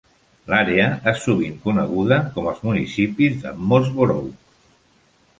L'àrea es sovint coneguda com als municipis de Mosborough.